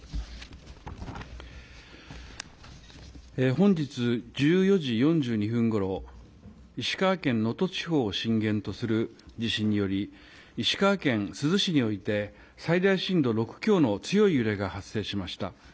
本日１４時４２分ごろ、石川県能登地方を震源とする地震により、石川県珠洲市において、最大震度６強の強い揺れが発生しました。